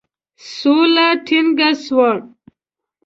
سوله ټینګه سوه.